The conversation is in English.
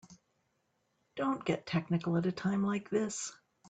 Don't get technical at a time like this.